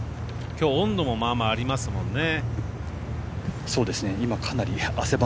きょう温度もまあまあありますもんね。